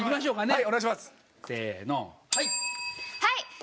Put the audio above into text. はい。